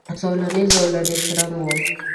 زولنې، زولنې شرنګ وم